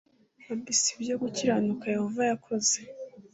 abc ibyo gukiranuka yehova yakoze